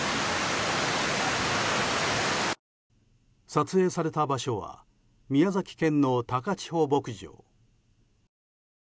撮影された場所は宮崎県の高千穂牧場。